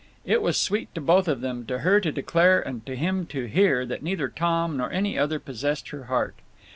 It was sweet to both of them, to her to declare and to him to hear, that neither Tom nor any other possessed her heart.